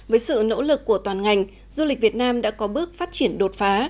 với sự nỗ lực của toàn ngành du lịch việt nam đã có bước phát triển đột phá